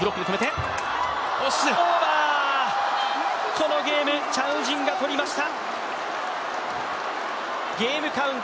このゲーム、チャン・ウジンが取りました。